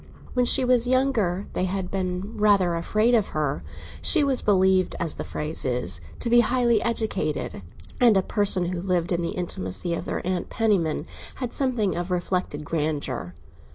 When she was younger they had been rather afraid of her; she was believed, as the phrase is, to be highly educated, and a person who lived in the intimacy of their Aunt Penniman had something of reflected grandeur.